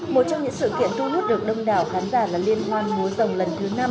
một trong những sự kiện tu nốt được đông đảo khán giả là liên hoan múa rồng lần thứ năm